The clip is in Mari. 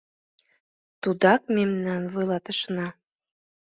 Тудак мемнан вуйлатышына.